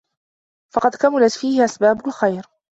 فَقَدْ كَمُلَتْ فِيهِ أَسْبَابُ الْخَيْرِ